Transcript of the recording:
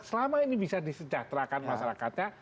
selama ini bisa disejahterakan masyarakatnya